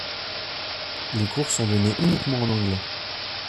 Les cours sont donnés uniquement en anglais.